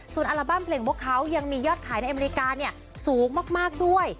ส่วนอัลบั้มเพลงพวกเขายังมียอดขายในอเมริกาสูงมากด้วย